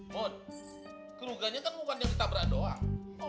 mod kerugianya kan bukan yang kita beran doang